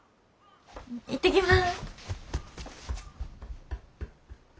行ってきます。